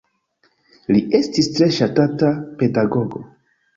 Li estis tre ŝatata pedagogo.